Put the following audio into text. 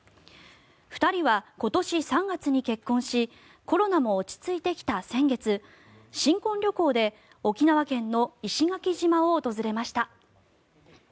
２人は今年３月に結婚しコロナも落ち着いてきた先月新婚旅行で沖縄県の石垣島を訪れました。